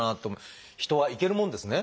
人はいけるもんですね。